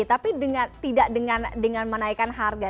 tapi tidak dengan menaikkan harga